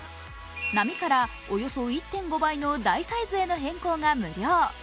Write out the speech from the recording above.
並からおよそ１．５倍の大サイズへの変更が無料。